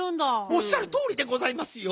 おっしゃるとおりでございますよ。